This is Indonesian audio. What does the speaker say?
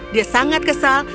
dia sangat kesal